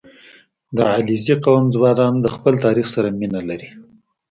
• د علیزي قوم ځوانان د خپل تاریخ سره مینه لري.